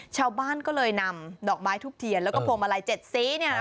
ชาวบ้านก็เลยนำดอกไม้ทุบเทียนแล้วก็พวงมาลัย๗สีเนี่ย